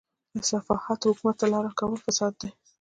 له صحافته حکومت ته لاره کول فساد دی.